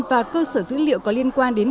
và cơ sở dữ liệu có liên quan đến